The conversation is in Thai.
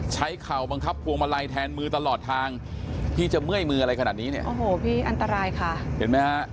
เข่าบังคับพวงมาลัยแทนมือตลอดทางพี่จะเมื่อยมืออะไรขนาดนี้เนี่ยโอ้โหพี่อันตรายค่ะเห็นไหมฮะ